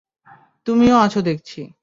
তুমিও আছো দেখছি।